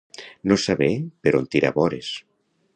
No saber per on tirar vores.